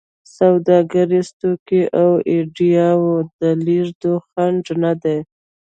سوداګریز توکي او ایډیاوو د لېږد خنډ نه دی.